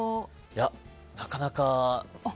いや、なかなか。